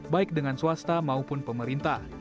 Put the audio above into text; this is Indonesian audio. baik dengan swasta maupun pemerintah